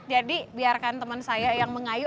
jadi biarkan teman saya yang mengayu